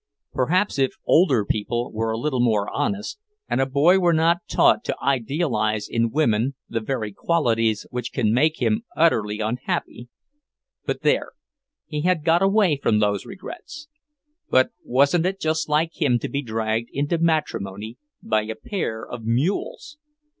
Perhaps if older people were a little more honest, and a boy were not taught to idealize in women the very qualities which can make him utterly unhappy But there, he had got away from those regrets. But wasn't it just like him to be dragged into matrimony by a pair of mules!